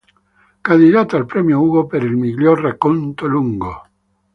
Candidato al Premio Hugo per il miglior racconto lungo.